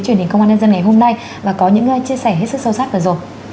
truyền hình công an nhân dân ngày hôm nay